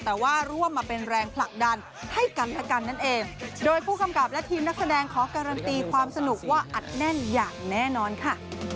แต่ว่าร่วมมาเป็นแรงผลักดันให้กันและกันนั่นเองโดยผู้กำกับและทีมนักแสดงขอการันตีความสนุกว่าอัดแน่นอย่างแน่นอนค่ะ